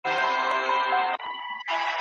ما یې په غېږه کي ګُلونه غوښتل